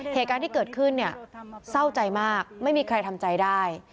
เหตุการณ์ที่เกิดขึ้นเนี่ยเศร้าใจมากไม่มีใครทำใจได้